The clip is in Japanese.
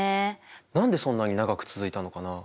何でそんなに長く続いたのかな？